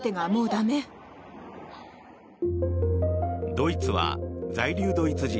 ドイツは在留ドイツ人